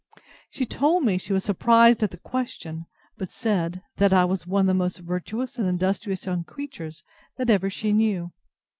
She told me she was surprised at the question, but said, That I was one of the most virtuous and industrious young creatures that ever she knew.